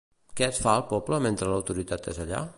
Què es fa al poble mentre l'autoritat és allà?